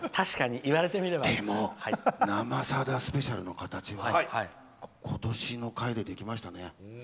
でも「生さだスペシャル」の形は今年の回で、できましたね。